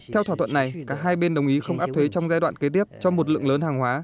theo thỏa thuận này cả hai bên đồng ý không áp thuế trong giai đoạn kế tiếp cho một lượng lớn hàng hóa